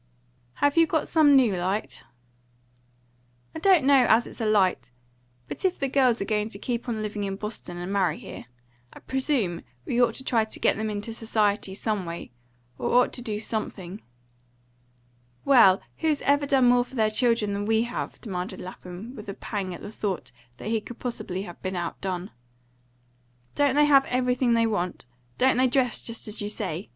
"Have you got some new light?" "I don't know as it's light. But if the girls are going to keep on living in Boston and marry here, I presume we ought to try to get them into society, some way; or ought to do something." "Well, who's ever done more for their children than we have?" demanded Lapham, with a pang at the thought that he could possibly have been out done. "Don't they have everything they want? Don't they dress just as you say?